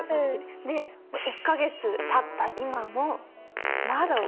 で１か月たった今もまだ怒ってる。